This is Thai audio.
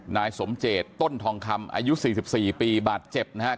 นายสมเจตต้นทองคำอายุ๔๔ปีบาดเจ็บนะครับ